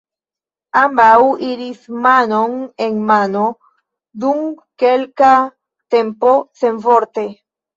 Ambaŭ iris manon en mano dum kelka tempo, senvorte.